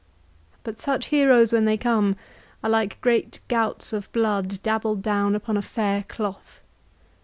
But such heroes when they come are like great gouts of blood dabbled down upon a fair cloth.